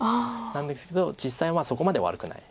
なんですけど実際はそこまで悪くない。